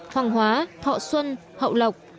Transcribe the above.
hoàng hóa thọ xuân hậu lộc